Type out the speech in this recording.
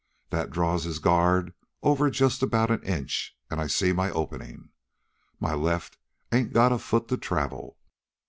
That draws his guard over just about an inch, an' I see my openin'. My left ain't got a foot to travel.